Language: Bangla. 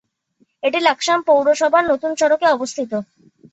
এটি লাকসাম পৌরসভার নতুন সড়কে অবস্থিত।